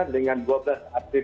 dengan dua belas aktif